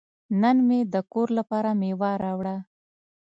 نن مې د کور لپاره میوه راوړه.